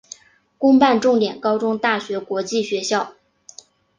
公办重点高中大学国际学校